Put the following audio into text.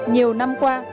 nhiều năm qua